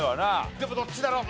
でもどっちだろう。